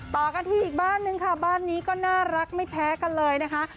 ต่อกันที่อีกบ้านนึงค่ะบ้านนี้ก็น่ารักไม่แพ้กันเลยนะคะ